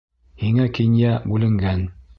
Һиңә Кинйә бүленгән.